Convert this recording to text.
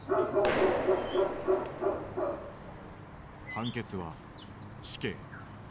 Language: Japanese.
判決は死刑。